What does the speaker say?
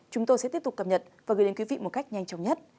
chúng tôi sẽ tiếp tục cập nhật và gửi đến quý vị một cách nhanh chóng nhất